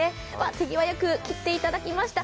手際よく切っていただきました。